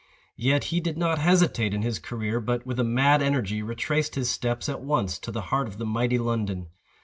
Yet he did not hesitate in his career, but, with a mad energy, retraced his steps at once, to the heart of the mighty London.